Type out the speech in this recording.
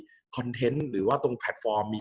กับการสตรีมเมอร์หรือการทำอะไรอย่างเงี้ย